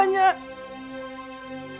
aku tidak mengerti